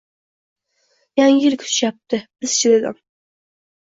Yangi yil kutishyapti, biz-chi, dedim.